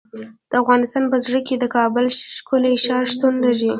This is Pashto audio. د افغانستان په زړه کې د کابل ښکلی ښار شتون لري.